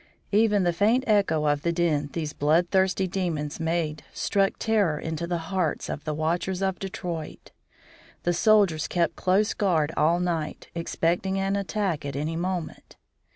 Even the faint echo of the din these blood thirsty demons made struck terror into the hearts of the watchers in Detroit. The soldiers kept close guard all night, expecting an attack at any moment.